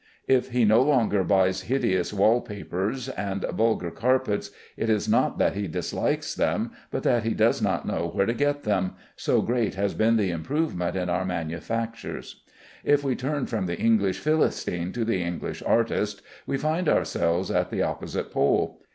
If he no longer buys hideous wall papers and vulgar carpets, it is not that he dislikes them, but that he does not know where to get them, so great has been the improvement in our manufactures. If we turn from the English Philistine to the English artist, we find ourselves at the opposite pole.